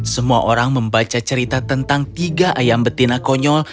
semua orang membaca cerita tentang tiga ayam betina konyol